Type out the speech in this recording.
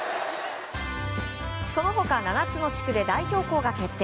その他、７つの地区で代表校が決定。